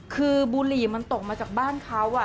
คือบุหรี่มันตกมาจากบ้านเขา